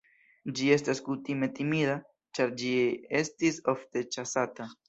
Ĝi estas kutime timida, ĉar ĝi estis ofte ĉasata.